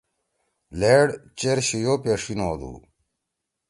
لھیڈ چیر شیو پیݜیِن ہودُو۔